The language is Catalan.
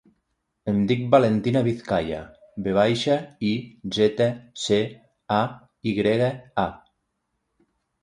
Em dic Valentina Vizcaya: ve baixa, i, zeta, ce, a, i grega, a.